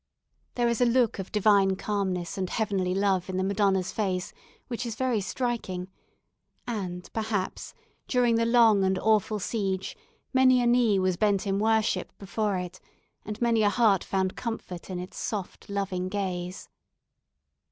There is a look of divine calmness and heavenly love in the Madonna's face which is very striking; and, perhaps, during the long and awful siege many a knee was bent in worship before it, and many a heart found comfort in its soft loving gaze.